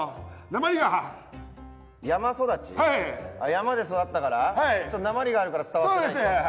山で育ったからなまりがあるから伝わってない。